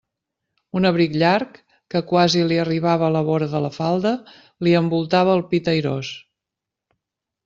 Un abric llarg, que quasi li arribava a la vora de la falda, li envoltava el pit airós.